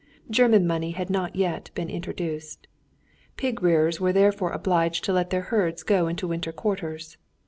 German money had not yet been introduced. Pig rearers were therefore obliged to let their herds go into winter quarters.